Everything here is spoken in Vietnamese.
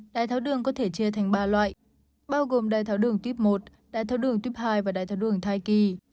đai tháo đường có thể chia thành ba loại bao gồm đai tháo đường type một đai tháo đường type hai và đai tháo đường thai kỳ